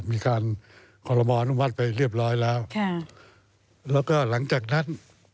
มีการคอรมออนุมัติไปเรียบร้อยแล้วค่ะแล้วก็หลังจากนั้น